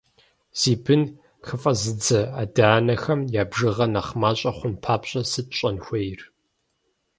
Зи бын хыфӏэзыдзэ адэ-анэхэм я бжыгъэр нэхъ мащӏэ хъун папщӏэ сыт щӏэн хуейр?